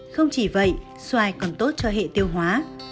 không chỉ vậy xoài còn tốt cho hệ tiêu hóa